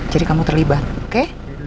jadi kamu terlibat oke